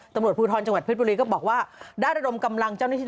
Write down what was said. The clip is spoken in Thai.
ตำรวจพูทรจังหวัด